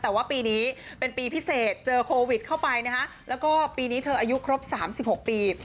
แต่ว่าปีนี้เป็นปีพิเศษเจอโควิดเข้าไปนะคะแล้วก็ปีนี้เธออายุครบ๓๖ปี